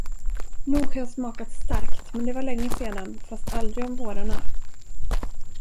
Nog har jag smakat starkt, men det var längesedan, fast aldrig om vårarna.